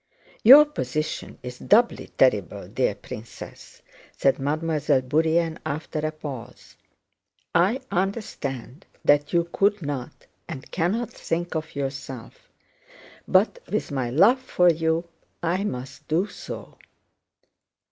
"Your position is doubly terrible, dear princess," said Mademoiselle Bourienne after a pause. "I understand that you could not, and cannot, think of yourself, but with my love for you I must do so....